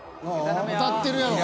当たってるやろ。